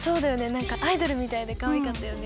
なんかアイドルみたいでかわいかったよね。